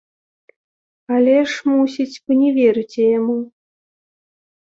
Але ж, мусіць, вы не верыце яму.